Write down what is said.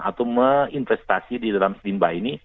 atau menginvestasi di dalam stimba ini